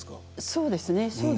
そうですね。